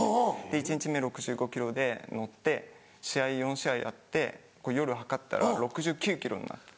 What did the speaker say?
１日目６５ｋｇで乗って試合４試合やって夜量ったら６９ｋｇになってて。